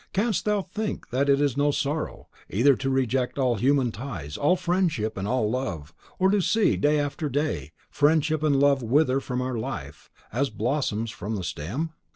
Canst thou think that it is no sorrow, either to reject all human ties, all friendship, and all love, or to see, day after day, friendship and love wither from our life, as blossoms from the stem?